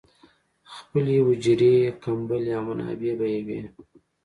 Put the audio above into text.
خپلې حجرې، کمبلې او منابع به یې وې.